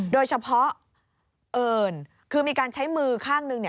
โดยเฉพาะเอิญคือมีการใช้มือข้างหนึ่ง